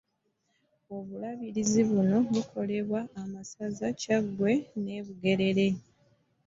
Obulabirizi buno bukolebwa amasaza Kyaggwe ne Bugerere.